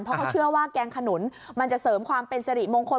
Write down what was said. เพราะเขาเชื่อว่าแกงขนุนมันจะเสริมความเป็นสิริมงคล